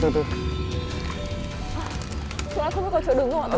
chúng ta không biết có trở đứng không